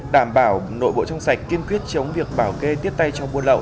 đảm bảo nội bộ trong sạch kiên quyết chống việc bảo kê tiếp tay cho buôn lậu